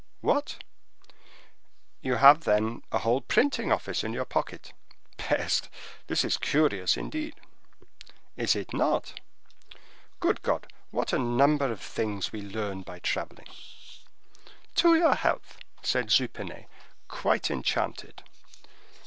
"What!" "You have, then, a whole printing office in your pocket. Peste! that is curious, indeed." "Is it not?" "Good God, what a number of things we learn by traveling." "To your health!" said Jupenet, quite enchanted.